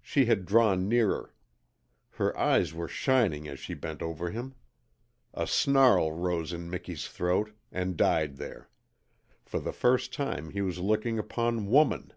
She had drawn nearer. Her eyes were shining as she bent over him. A snarl rose in Miki's throat, and died there. For the first time he was looking upon WOMAN.